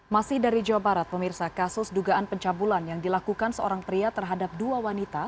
masih dari jawa barat pemirsa kasus dugaan pencabulan yang dilakukan seorang pria terhadap dua wanita